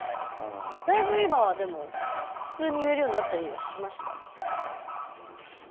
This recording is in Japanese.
だいぶ今は普通に言えるようになったりはしました？